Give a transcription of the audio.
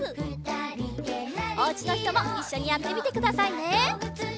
おうちのひともいっしょにやってみてくださいね！